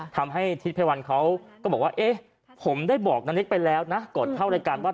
ทำให้ทิศภัยวันเขาก็บอกว่าเอ๊ะผมได้บอกนานิคไปแล้วนะก่อนเข้ารายการว่า